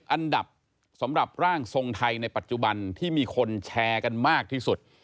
อันดับสำหรับร่างทรงไทยในปัจจุบันที่มีคนแชร์กันมากที่สุด